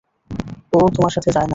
ও তোমার সাথে যায় না।